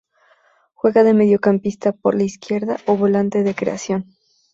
Juega de mediocampista por la izquierda o volante de creación.